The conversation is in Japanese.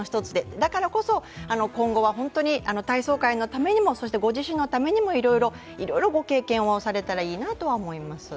だからこそ、今後は本当に体操界のためにも、そしてご自身のためにもいろいろご経験をされたらいいなとは思います。